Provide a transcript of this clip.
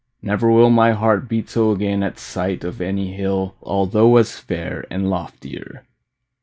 Never will My heart beat so again at sight Of any hill although as fair And loftier.